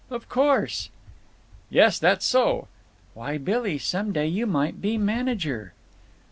Of course!" "Yes, that's so." "Why, Billy, some day you might be manager!"